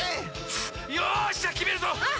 よっしゃきめるぞ！